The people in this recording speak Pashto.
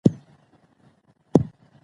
بېوزلي د انسان په روحیه باندې بد اغېز کوي.